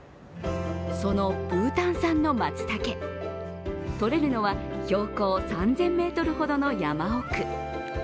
そのブータン産のまつたけ、とれるのは標高３０００ｍほどの山奥。